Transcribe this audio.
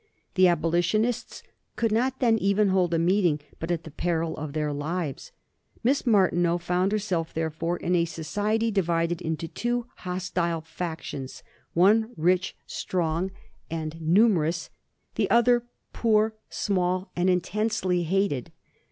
The abolitionists could not then even hold a meeting but at the peril of their lives. Miss Martineau found herself therefore in a society divided into two hostile factions—one rich, strong, and numerous; the other poor, small, and intensely hated.